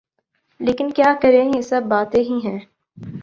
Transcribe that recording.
لیکن کیا کریں یہ سب باتیں ہی ہیں۔